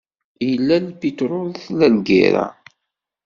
Yella lpiṭrul, tella lgirra.